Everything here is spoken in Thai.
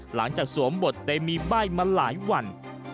หลังจากสวมบทได้มีบ้ายมาหลายวัน